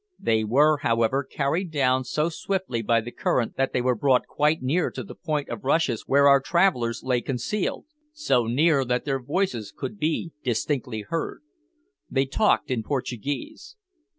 They were, however, carried down so swiftly by the current that they were brought quite near to the point of rushes where our travellers lay concealed so near that their voices could be distinctly heard. They talked in Portuguese.